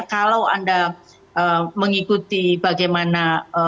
kalau anda mengikuti bagaimana